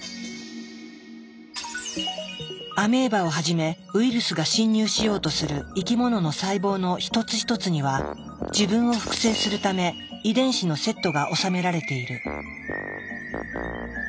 アメーバをはじめウイルスが侵入しようとする生き物の細胞の一つ一つには自分を複製するため遺伝子のセットがおさめられている。